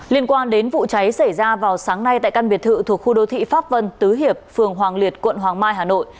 liên quan đến vụ cháy xảy ra vào sáng nay tại căn biệt thự thuộc khu đô thị pháp vân tứ hiệp phường hoàng liệt quận hoàng mai hà nội